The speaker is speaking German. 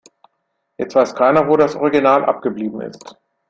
Jetzt weiß keiner, wo das Original abgeblieben ist.